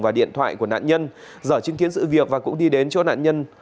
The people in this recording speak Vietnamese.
và điện thoại của nạn nhân giở chứng kiến sự việc và cũng đi đến chỗ nạn nhân